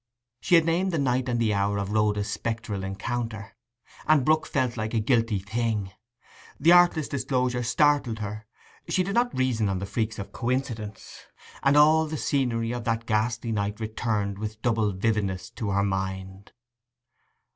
She had named the night and the hour of Rhoda's spectral encounter, and Brook felt like a guilty thing. The artless disclosure startled her; she did not reason on the freaks of coincidence; and all the scenery of that ghastly night returned with double vividness to her mind.